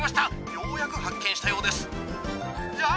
ようやく発見したようです・・あぁ